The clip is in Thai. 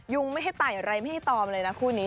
ยุงไม่ให้ไต่อะไรไม่ให้ตอมเลยนะคู่นี้